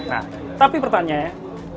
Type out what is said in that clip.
nah tapi pertanyaannya